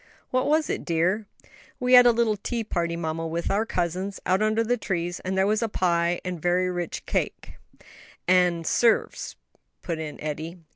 "What was it, dear?" "We had a little tea party, mamma, with our cousins, out under the trees, and there was pie and very rich cake " "And 'serves," put in Eddie.